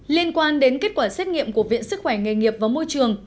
liên quan đến kết quả xét nghiệm của viện sức khỏe nghề nghiệp và môi trường